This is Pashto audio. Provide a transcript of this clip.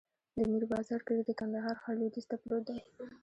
د میر بازار کلی د کندهار ښار لویدیځ ته پروت دی.